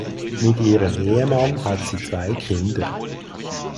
Mit ihrem Ehemann hat sie zwei Kinder.